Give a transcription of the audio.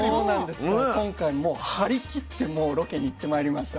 だから今回もう張り切ってロケに行ってまいりました。